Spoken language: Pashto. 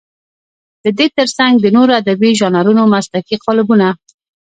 د دې تر څنګ د نورو ادبي ژانرونو مسلکي قالبونه.